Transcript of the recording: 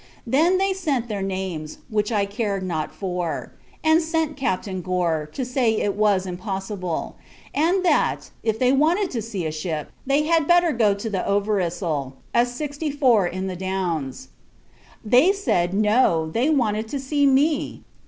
Then they sent their names, which I cared not for: and sent Captain Gore, to say it was impossible; and that, if they wanted to see a ship, they had better go to the Overyssel (a sixty four in the Downs.) They said, no; they wanted to see me.